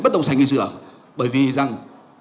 bất động sản nghỉ dưỡng bởi vì rằng